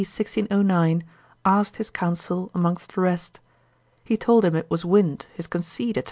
1609, asked his counsel amongst the rest; he told him it was wind, his conceit, &c.